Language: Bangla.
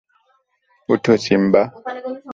উঠো, সিম্বা!